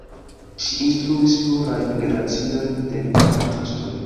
Ŝi instruis plurajn generaciojn de kantistoj.